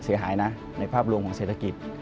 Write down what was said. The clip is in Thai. เสียหายนะในภาพรวมของเศรษฐกิจ